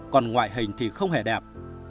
còn ngoại hình thì không hề đẹp